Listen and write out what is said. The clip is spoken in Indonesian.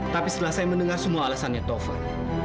tapi setelah saya mendengar semua alasannya taufan